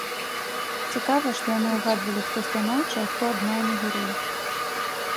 Цікава, што яны ўгадвалі хто станоўчы, а хто адмоўны герой.